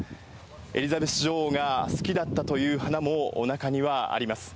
エリザベス女王が好きだったという花も中にはあります。